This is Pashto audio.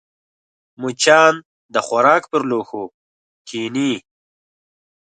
مچان د خوراک پر لوښو کښېني